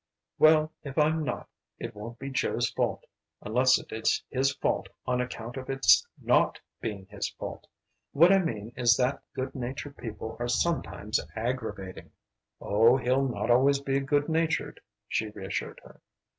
"Well, if I'm not it won't be Joe's fault. Unless it is his fault on account of its not being his fault. What I mean is that good natured people are sometimes aggravating." "Oh he'll not always be good natured," she reassured her.